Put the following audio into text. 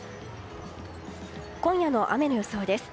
今夜の雨の予想です。